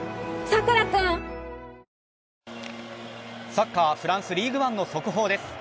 サッカー・フランスリーグ・アンの速報です。